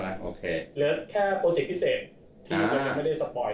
โอเคเหลือแค่โปรเจกต์พิเศษที่ว่าไม่ได้สปอย